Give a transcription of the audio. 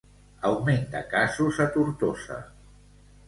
Augment de casos a Tortosa.